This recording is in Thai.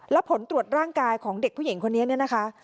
แล้วผลตรวจร่างกายของเด็กผู้หญิงคนนี้เนี่ยนะคะ